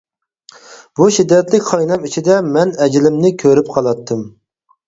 بۇ شىددەتلىك قاينام ئىچىدە، مەن ئەجىلىمنى كۆرۈپ قالاتتىم.